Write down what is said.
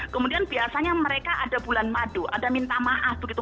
kemudian biasanya mereka ada bulan madu ada minta maaf begitu